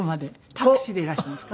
タクシーでいらしたんですか？